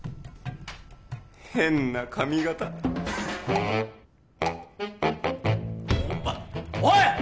変な髪形お前おい！